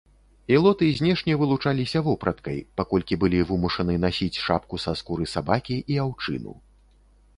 Ілоты знешне вылучаліся вопраткай, паколькі былі вымушаны насіць шапку са скуры сабакі і аўчыну.